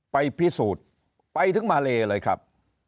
ไปพิสูจน์ไปถึงมาเลเลยครับ